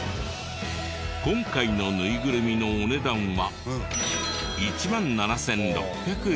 今回のぬいぐるみのお値段は。